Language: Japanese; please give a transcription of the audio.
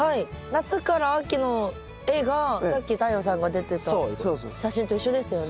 夏から秋の絵がさっき太陽さんが出てた写真と一緒ですよね。